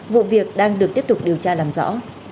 vụ việc đang được tiếp tục điều tra làm rõ